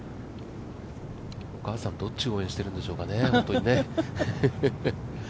お母さん、どっちを応援しているんでしょうかね。